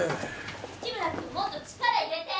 ・月村君もっと力入れて！